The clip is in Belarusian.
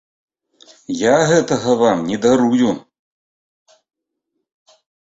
Я гэтага вам не дарую!